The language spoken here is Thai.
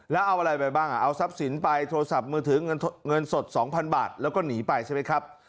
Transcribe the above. แล้วเอาอะไรไปบ้างเอาทรัพย์สินไปโทรศัพท์มือถือเงินสด๒๐๐๐บาทแล้วก็หนีไปใช่ไหมครับ